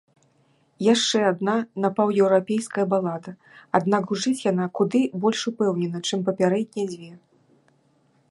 Яшчэ адна напаўеўрапейская балада, аднак гучыць яна куды больш упэўнена, чым папярэднія дзве.